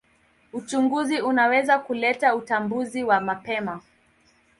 Uchunguzi unaweza kuleta utambuzi wa mapema.